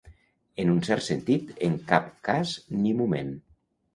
En un cert sentit, en cap cas ni moment.